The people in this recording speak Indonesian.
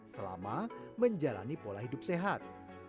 selama menjalani pola hidup sehat